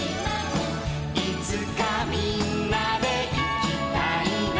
「いつかみんなでいきたいな」